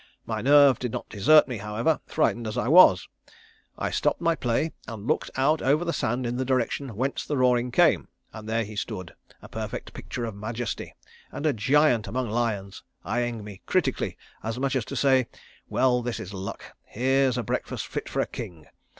My nerve did not desert me, however, frightened as I was. I stopped my play and looked out over the sand in the direction whence the roaring came, and there he stood a perfect picture of majesty, and a giant among lions, eyeing me critically as much as to say, 'Well this is luck, here's breakfast fit for a king!'